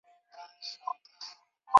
谁能好心告诉我